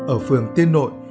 ở phường tiên nội